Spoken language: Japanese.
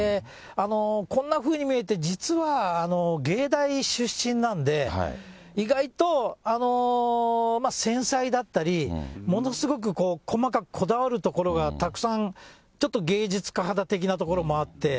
こんなふうに見えて、実は芸大出身なんで、意外と繊細だったり、ものすごくこう、細かくこだわるところがたくさん、ちょっと芸術家肌的な所もあって。